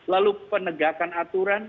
lalu penegakan aturan